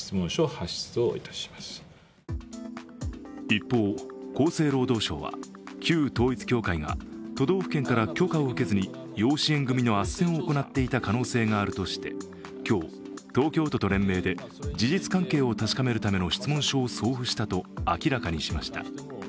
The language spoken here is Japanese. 一方、厚生労働省は旧統一教会が都道府県から許可を受けずに養子縁組みのあっせんを行っていた可能性があるとして今日、東京都と連名で事実関係を確かめるための質問書を送付したと明らかにしました。